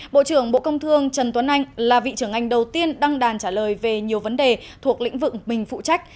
bộ trưởng bộ công thương trần tuấn anh là vị trưởng ngành đầu tiên đăng đàn trả lời về nhiều vấn đề thuộc lĩnh vực mình phụ trách